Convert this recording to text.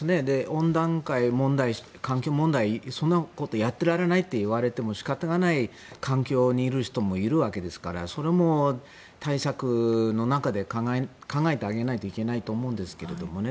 温暖化、環境問題、そんなことやってられないといわれても仕方がない環境にいる人もいるわけですからそれも対策の中で考えてあげないといけないと思うんですけどね。